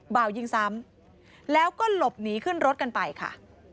บ่าวยิงซ้ำแล้วก็หลบหนีขึ้นรถกันไปค่ะ